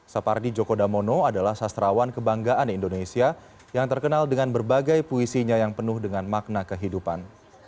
sapardi joko damono adalah sastrawan kebanggaan indonesia yang terkenal dengan berbagai puisinya yang penuh dengan makna kehidupan